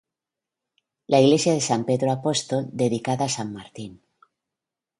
La iglesia de San Pedro Apóstol, dedicada a San Martín.